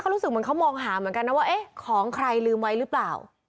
รู้สึกเหมือนเขามองหาเหมือนกันนะว่าเอ๊ะของใครลืมไว้หรือเปล่า